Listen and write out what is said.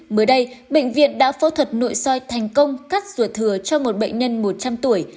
mới đây bệnh viện đã phẫu thuật nội soi thành công cắt ruột thừa cho một bệnh nhân một trăm linh tuổi